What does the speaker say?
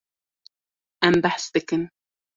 Em behs dikin.